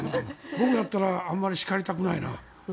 僕だったらあまり叱りたくないな。